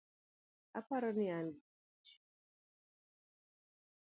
Aparo ni an gi ich